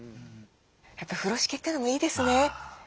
やっぱ風呂敷っていうのもいいですね。